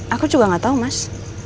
aku juga gak tahu mas